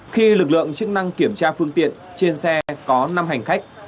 khi lực lượng chức năng kiểm tra phương tiện trên xe có năm hành khách